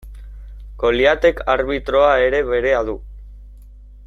Goliatek arbitroa ere berea du.